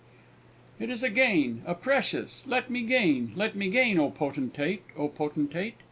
_ It is a gain, a precious, let me gain! let me gain! Oh, Potentate! Oh, Potentate!